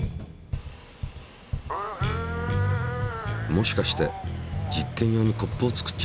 もしかして実験用にコップを作っちゃうの？